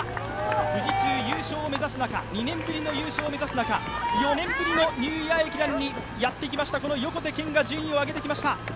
富士通、２年ぶりの優勝を目指す中４年ぶりのニューイヤー駅伝にやってきました横手健が順位を上げてきました。